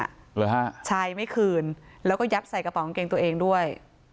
หรือฮะใช่ไม่คืนแล้วก็ยับใส่กระป่อนข้างเคียงตัวเองด้วย